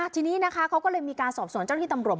ทีนี้นะคะเขาก็เลยมีการสอบสวนเจ้าที่ตำรวจ